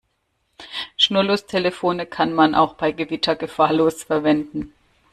Schnurlostelefone kann man auch bei Gewitter gefahrlos verwenden.